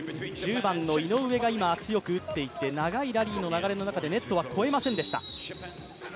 １０番の井上が今、強く打っていって長いラリーの流れの中で、ネットは越えませんでした。